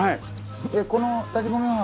この炊き込みご飯